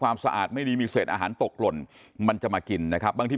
สะอาดไม่ดีมีเศษอาหารตกหล่นมันจะมากินนะครับบางที่